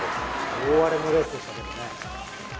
大荒れのレースでしたね。